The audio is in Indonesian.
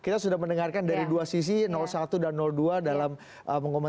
dan ada pemberitahuan dari baru balu estava juga